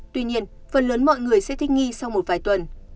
tuy nhiên phần lớn mọi người sẽ thích nghi sau một vài tuần